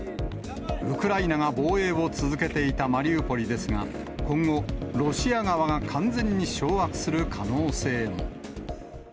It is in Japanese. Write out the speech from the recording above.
ウクライナが防衛を続けていたマリウポリですが、今後、ロシア側が完全に掌握する可能性も。